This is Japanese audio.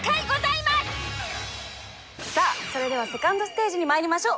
それではセカンドステージにまいりましょう。